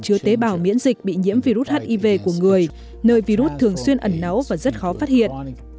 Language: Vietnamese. chứa tế bào miễn dịch bị nhiễm virus hiv của người nơi virus thường xuyên ẩn náu và rất khó phát hiện